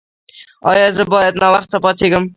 ایا زه باید ناوخته پاڅیږم؟